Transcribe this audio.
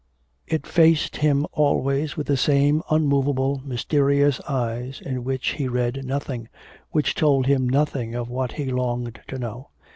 It faced him always with the same unmovable, mysterious eyes in which he read nothing, which told him nothing of what he longed to know.